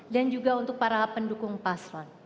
dan juga untuk para pendukung paslon